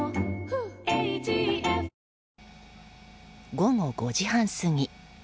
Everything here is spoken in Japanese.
午後５時半過ぎ。